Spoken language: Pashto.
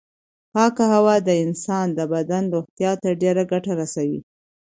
پاکه هوا د انسان د بدن روغتیا ته ډېره ګټه رسوي.